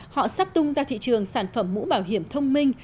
họ sắp tung ra thị trường sản phẩm mũ bảo hiểm thông minh